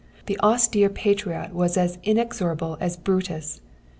The austere patriot was as inexorable as Brutus.